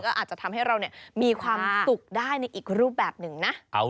ก็อาจจะทำให้เรามีความสุขได้ในอีกรูปแบบหนึ่งนะ